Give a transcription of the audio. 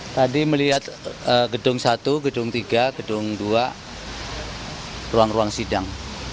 tadi melihat gedung satu gedung tiga gedung dua ruang ruang sidang